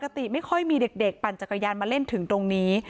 ไม่ค่อยมีเด็กปั่นจักรยานมาเล่นถึงตรงนี้